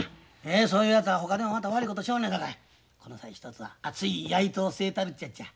そういうやつはほかでもまた悪いことしよんのやさかいこの際ひとつ熱いやいとをすえたるちゅうやっちゃ。